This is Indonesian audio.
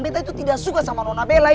betta itu tidak suka sama nona bella itu